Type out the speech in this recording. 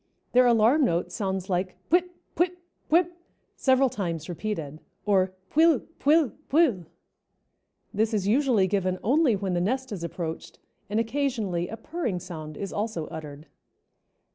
Their alarm note sounds like "puip puip puip," several times repeated, or "puill puill puill;" this is usually given only when the nest is approached, and occasionally a purring sound is also uttered.